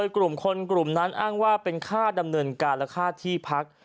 กลุ่มคนกลุ่มนั้นอ้างว่าเป็นค่าดำเนินการและค่าที่พัก